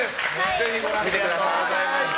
ぜひご覧ください！